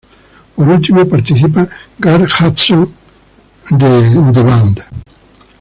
Por último, participa Garth Hudson, de The Band.